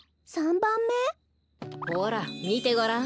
ほらみてごらん。